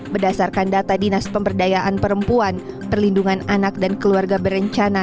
berdasarkan data dinas pemberdayaan perempuan perlindungan anak dan keluarga berencana